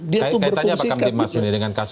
dia itu berfungsi